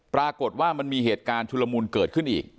ปรากฏว่ามันมีเหตุการณ์ชุลมุนเกิดขึ้นอีก